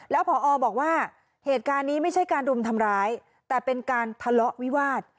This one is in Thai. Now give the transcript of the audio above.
แล้วพอบอกว่าเหตุการณ์นี้ไม่ใช่การรุมทำร้ายแต่เป็นการทะเลาะวิวาส